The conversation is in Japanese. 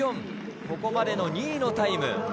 ここまでの２位のタイム。